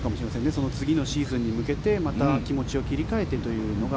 その次のシーズンに向けてまた気持ちを切り替えてというのが。